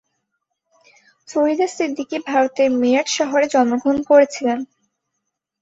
ফরিদা সিদ্দিকি ভারতের মিরাট শহরে জন্মগ্রহণ করেছিলেন।